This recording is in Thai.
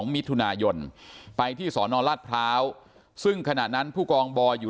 มิถุนายนไปที่สนราชพร้าวซึ่งขณะนั้นผู้กองบอยอยู่